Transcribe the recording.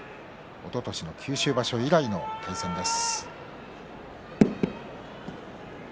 おととしの九州場所以来の対戦です。